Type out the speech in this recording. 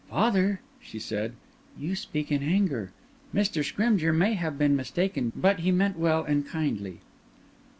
"Father," she said, "you speak in anger. Mr. Scrymgeour may have been mistaken, but he meant well and kindly."